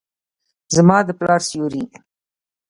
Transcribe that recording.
زما د پلار سیوري ،